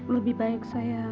lebih baik saya